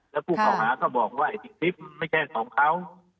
แล้วผู้เก่าหาก็บอกว่าอีกคลิปไม่ใช่ของเขา